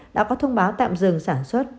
đã có thông báo tạm dừng sản xuất